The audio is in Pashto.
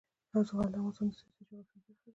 زغال د افغانستان د سیاسي جغرافیه برخه ده.